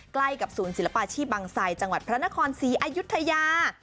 ใกล้กับศูนย์ศิลปาชีพบางไซจังหวัดพระนครศรีอายุทยา